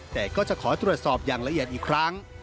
แต่ก็จะขอตรวจสอบอย่างละเอียดอีกครั้ง